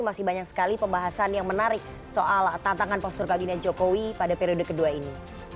masih banyak sekali pembahasan yang menarik soal tantangan postur kabinet jokowi pada periode kedua ini